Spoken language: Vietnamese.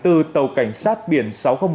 tàu cảnh sát biển sáu nghìn một mươi một